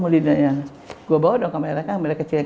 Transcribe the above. lady diana gue bawa dong kamera kamera kecilnya